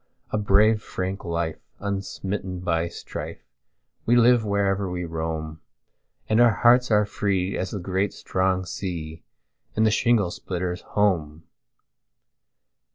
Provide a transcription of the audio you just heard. a brave frank life, unsmitten by strife, We live wherever we roam, And our hearts are free as the great strong sea, In the shingle splitter's home.